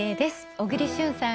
小栗旬さん